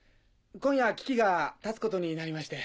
今夜キキが発つことになりまして。